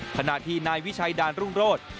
ขณะที่นายวิชัยดานรุ่งโรธ